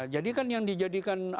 jadi kan yang dijadikan